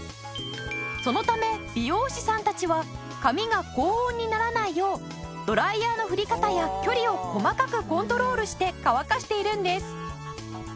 そのため美容師さんたちは髪が高温にならないようドライヤーの振り方や距離を細かくコントロールして乾かしているんです。